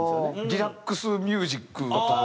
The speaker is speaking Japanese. リラックスミュージックとかが。